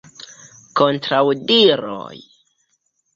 Kontraŭdiroj?